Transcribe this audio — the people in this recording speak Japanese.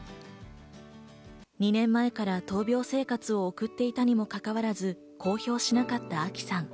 ２年前から闘病生活を送っていたにもかかわらず、公表しなかったあきさん。